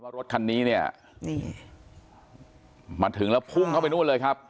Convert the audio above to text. รถคันนี้เนี่ยนี่มาถึงแล้วพุ่งเข้าไปนู่นเลยครับ